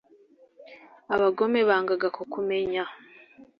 Abagome bangaga kukumenya,